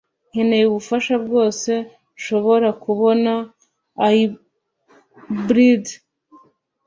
Nkeneye ubufasha bwose nshobora kubona. (Hybrid)